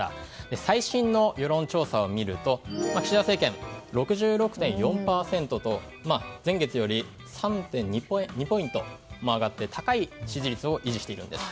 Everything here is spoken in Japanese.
最新の世論調査を見ると岸田政権６６．４％と前月より３．２ポイントも上がって高い支持率を維持しているんです。